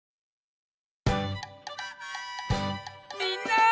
みんな！